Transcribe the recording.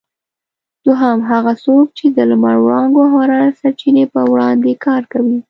دوهم: هغه څوک چې د لمر وړانګو او حرارت سرچینې په وړاندې کار کوي؟